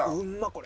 これ。